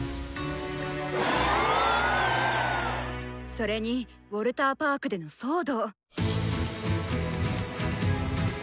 それにウォルターパークでの騒動。